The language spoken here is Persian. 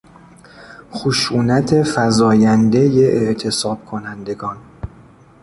خشونت فزایندهی اعتصابکنندگان